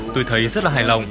tôi thấy rất là hài lòng